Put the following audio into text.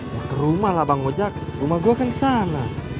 ke rumah lah bang ojak rumah gue kan sana